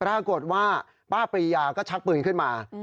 ปรากฏว่าป้าปรียาก็ชักปืนขึ้นมา